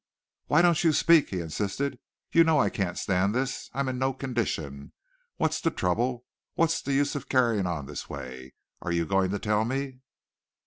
"Why don't you speak?" he insisted. "You know I can't stand this. I'm in no condition. What's the trouble? What's the use of carrying on this way? Are you going to tell me?"